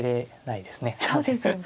そうですよね。